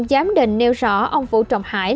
giám định nêu rõ ông vũ trọng hải